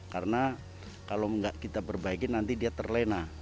karena kalau nggak kita perbaiki nanti dia terlena